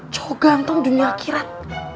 cowok ganteng dunia akhirat